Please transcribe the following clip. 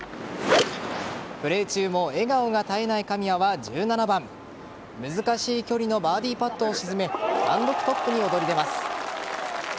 プレー中も笑顔が絶えない神谷は１７番難しい距離のバーディーパットを沈め単独トップに躍り出ます。